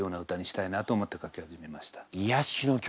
いやしの曲。